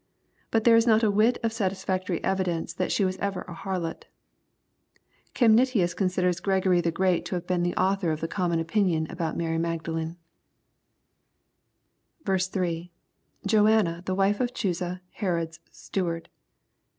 But there is not a whit of satisfactory evidence that she was ever a harlot Chemnitius considers Gregory the G reat to have been the author of the common opinion about Mary Magdalene. 8. — [t/banna, ihe wife of Ohwsa, Herod^s steward.